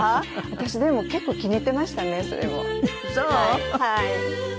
私でも結構気に入っていましたねそれも。